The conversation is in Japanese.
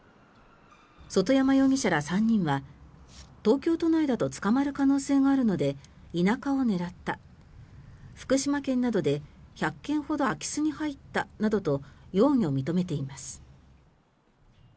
外山容疑者ら３人は東京都内だと捕まる可能性があるので田舎を狙った福島県などで１００件ほど空き巣に入ったなどと容疑を認めています。